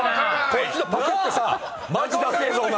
こっちのパクってさマジダセえぞお前。